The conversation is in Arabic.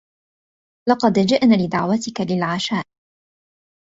لقد جئنا لدعوتك للعشاء.